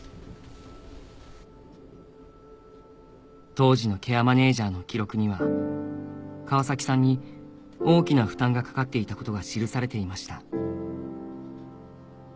当時のケアマネジャーの記録には川崎さんに大きな負担が掛かっていたことが記されていました